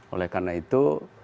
oleh karena itu